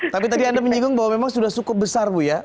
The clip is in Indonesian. tapi tadi anda menyinggung bahwa memang sudah cukup besar bu ya